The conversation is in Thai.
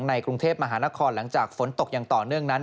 ในกรุงเทพมหานครหลังจากฝนตกอย่างต่อเนื่องนั้น